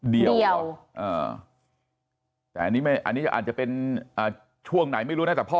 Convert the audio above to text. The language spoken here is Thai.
เดียวแต่อันนี้ไม่อันนี้อาจจะเป็นช่วงไหนไม่รู้นะแต่พ่อ